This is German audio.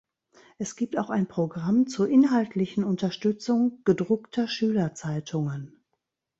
Es gibt auch ein Programm zur inhaltlichen Unterstützung gedruckter Schülerzeitungen.